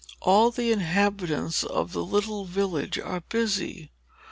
All the inhabitants of the little village are busy.